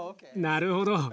なるほど。